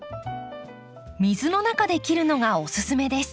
水の中で切るのがおすすめです。